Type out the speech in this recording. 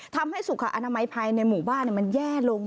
ทำให้สุขอนามัยภายในหมู่บ้านมันแย่ลง